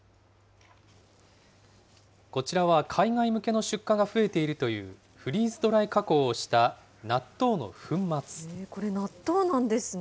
こちらは海外向けの出荷が増えているというフリーズドライ加工をこれ、納豆なんですね。